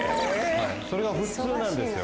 それが普通なんですよ。